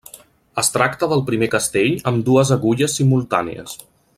Es tracta del primer castell amb dues agulles simultànies.